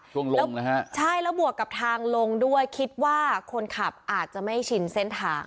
ลงนะฮะใช่แล้วบวกกับทางลงด้วยคิดว่าคนขับอาจจะไม่ชินเส้นทาง